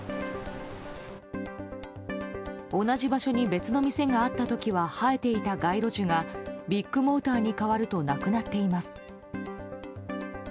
同じ場所に別の店があった時は生えていた街路樹がビッグモーターに変わるとなくなっています。